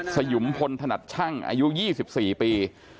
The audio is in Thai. สยุมพลถนัดช่างอายุ๒๔ปี